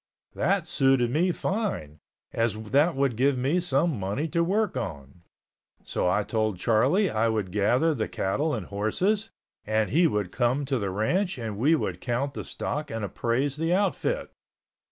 That suited me fine, as that would give me some money to work on. So I told Charlie I would gather the cattle and horses, and he would come to the ranch and we would count the stock and appraise the outfit.